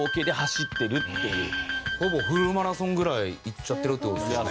ほぼフルマラソンぐらいいっちゃってるって事ですよね。